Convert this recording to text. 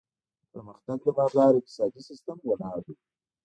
پرمختګ د بازار اقتصادي سیستم ولاړ دی.